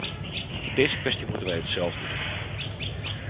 In deze kwestie moeten wij hetzelfde doen.